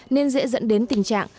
nên dễ dẫn đến tình trạng